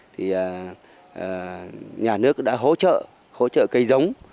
thì nhà nước đã hỗ trợ hỗ trợ cây giống